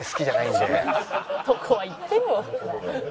そこは行ってよ。